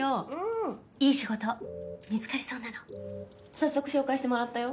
早速紹介してもらったよ。